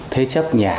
thế chấp nhà